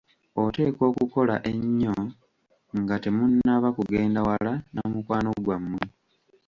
Oteekwa okukola ennyo nga temunnaba kugenda wala na mukwano gwammwe.